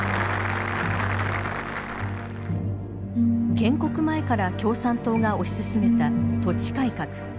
建国前から共産党が推し進めた土地改革。